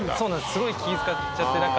すごい気使っちゃって。